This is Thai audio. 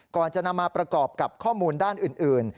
ก่อนจะนำมาประกอบกับข้อมูลด้านอื่น